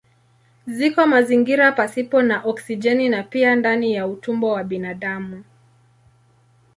Ziko mazingira pasipo na oksijeni na pia ndani ya utumbo wa binadamu.